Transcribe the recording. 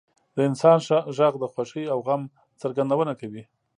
• د انسان ږغ د خوښۍ او غم څرګندونه کوي.